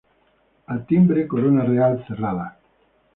Al timbre corona real, cerrada.